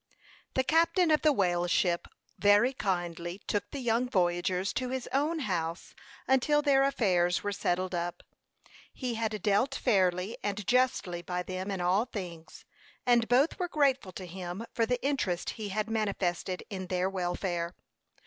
The captain of the whale ship very kindly took the young voyagers to his own house until their affairs were settled up. He had dealt fairly and justly by them in all things, and both were grateful to him for the interest he had manifested in their welfare.